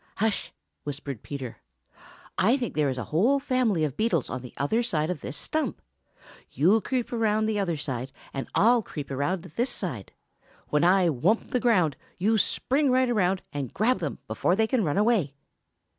"Hush!" whispered Peter. "I think there is a whole family of beetles on the other side of this stump. You creep around the other side, and I'll creep around this side. When I thump the ground, you spring right around and grab them before they can run away."